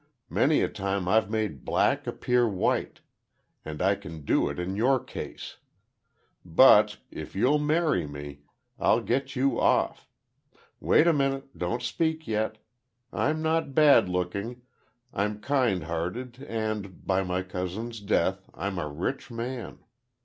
Many a time I've made black appear white—and I can do it in your case. But—if you'll marry me, I'll get you off. Wait a minute—don't speak yet. I'm not bad looking, I'm kind hearted and, by my cousin's death, I'm a rich man.